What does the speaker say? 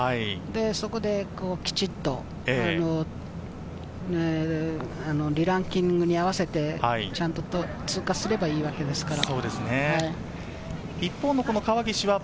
そこできちっとリランキングに合わせて、通過すればいいわけですから。